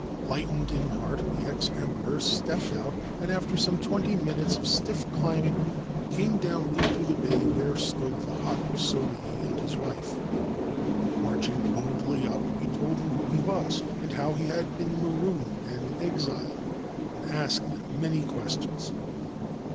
Lightened in heart, the ex Emperor stepped out, d after some twenty minutes of stiff climbing came down to the bay where stood the hut of Sobei and his wife, [arching boldly up, he told them who he was, and how : had been marooned and exiled, and asked .them many icstions.